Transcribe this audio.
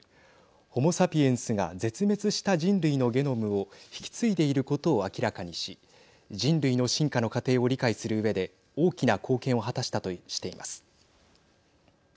ホモ・サピエンスが絶滅した人類のゲノムを引き継いでいることを明らかにし人類の進化の過程を理解するうえで大きな貢献を果たしたとしています。